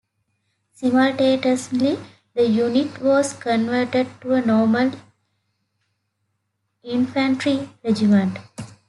Simultaneously, the unit was converted to a normal infantry regiment.